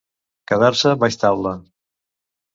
Quedar-se baix taula.